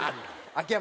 秋山